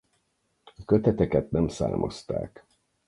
A köteteket nem számozták.